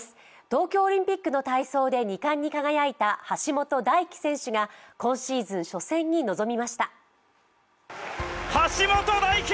東京オリンピックの体操で２冠に輝いた橋本大輝選手が今シーズン初戦に臨みました。